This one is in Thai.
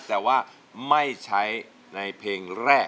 แต่ว่าไม่ใช้ในเพลงแรก